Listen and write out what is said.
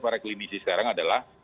para klinis sekarang adalah